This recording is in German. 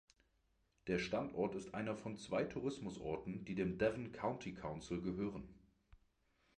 Der Standort ist einer von zwei Tourismusorten, die dem Devon County Council gehören.